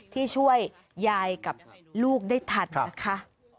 ที่ช่วยยายกับลูกได้ทันนะคะ